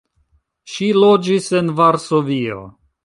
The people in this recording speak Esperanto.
Ŝi loĝis en Varsovio.